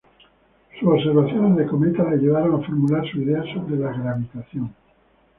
Sus observaciones de cometas le llevaron a formular sus ideas sobre la gravitación.